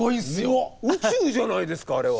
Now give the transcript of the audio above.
宇宙じゃないですかあれは！